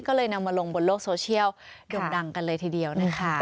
ก็เลยนำมาลงบนโลกโซเชียลโด่งดังกันเลยทีเดียวนะคะ